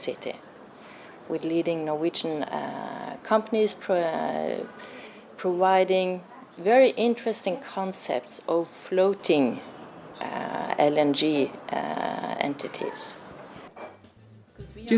chia sẻ với chúng tôi đại sứ na uy tại việt nam bà greets vivre thulegn bày tỏ tin tưởng với gần nửa thập kỷ quan hệ là nền tảng vững chắc để tinh hiệu nghị việt nam na uy tiếp tục đơn hòa kết trái